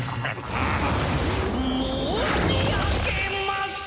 申し上げます！